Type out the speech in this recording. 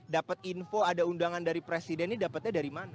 dapat info ada undangan dari presiden ini dapatnya dari mana